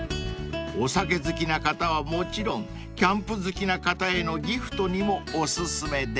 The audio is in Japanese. ［お酒好きな方はもちろんキャンプ好きな方へのギフトにもお薦めです］